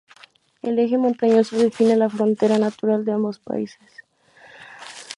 El eje montañoso define la frontera natural de ambos países.